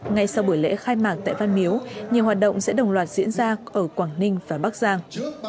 ngay sau buổi lễ khai mạc tại văn miếu nhiều hoạt động sẽ đồng loạt diễn ra ở quảng ninh và bắc giang